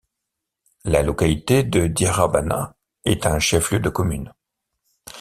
La localité de Diarabana est un chef-lieu de commune.